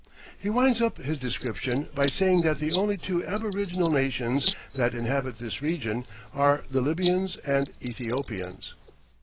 He winds up his description by saying that the only two aboriginal nations that inhabit this region are the Lybians and Ethiopians.